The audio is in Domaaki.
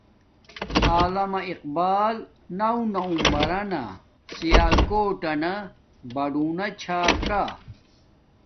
علامہ اقبال نو نومبران سیاکوٹنہ باڈونا چھا کا